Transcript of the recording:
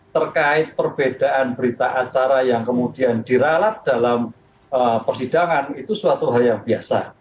terkait perbedaan berita acara yang kemudian diralat dalam persidangan itu suatu hal yang biasa